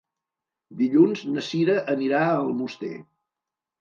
Dilluns na Cira anirà a Almoster.